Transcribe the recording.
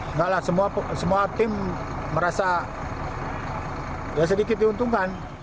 enggak lah semua tim merasa ya sedikit diuntungkan